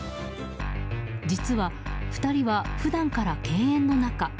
実は２人は普段から犬猿の仲。